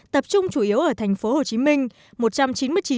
tập trung chủ yếu ở thành phố hồ chí minh